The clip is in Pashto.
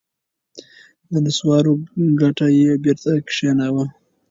د نسوارو کډه یې بېرته کښېناوه.